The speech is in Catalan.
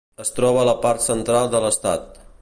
Es troba a la part central de l"estat.